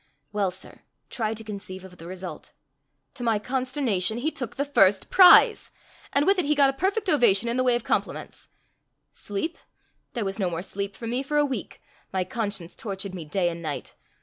Well, sir, try to conceive of the result: to my consternation, he took the first prize! And with it he got a perfect ovation in the way of compliments. Sleep? There was no more sleep for me for a week. My conscience tortured me day and night.